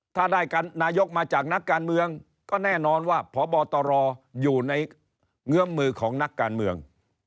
ถ้าได้นายกมาจากนักการเมืองก็แน่นอนว่าพบตรอยู่ในเงื้อมมือของนักการเมือง